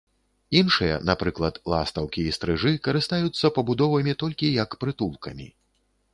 Іншыя, напрыклад, ластаўкі і стрыжы, карыстаюцца пабудовамі толькі як прытулкамі.